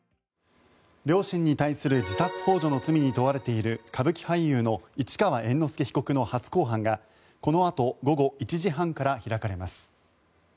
両親に対する自殺幇助の罪に問われている歌舞伎俳優の市川猿之助被告の初公判がこのあと午後１時半から開かれます。